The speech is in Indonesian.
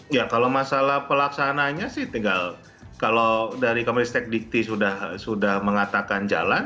ya kalau masalah pelaksananya sih tinggal kalau dari komite stake dicti sudah mengatakan jalan